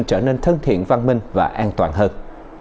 trở nên thân thiện văn minh và an toàn hơn